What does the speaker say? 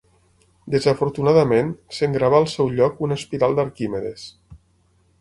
Desafortunadament, se'n gravà al seu lloc una espiral d'Arquimedes.